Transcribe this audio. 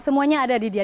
semuanya ada di dia